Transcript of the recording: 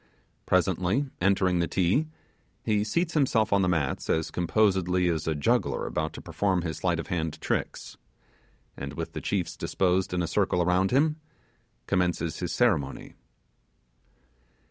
Presently entering the Ti, he seats himself on the mats as composedly as a juggler about to perform his sleight of hand tricks; and with the chiefs disposed in a circle around him, commences his ceremony.